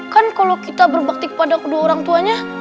kan kalau kita berbakti kepada kedua orang tuanya